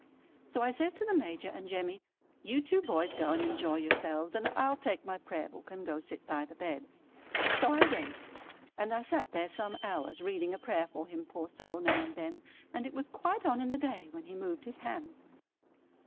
So I says to the Major and Jemmy, "You two boys go and enjoy yourselves, and I'll take my Prayer Book and go sit by the bed." So I went, and I sat there some hours, reading a prayer for him poor soul now and then, and it was quite on in the day when he moved his hand.